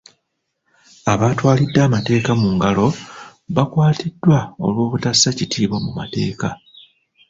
Abaatwalidde amateeka mu ngalo bakwatiddwa olw'obutassa kitiibwa mu mateeka.